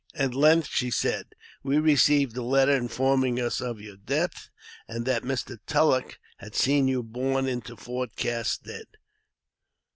At length she said, "We received a letter informing us of your death, and that Mr. Tulleck had seen you borne into Fort Cass dead."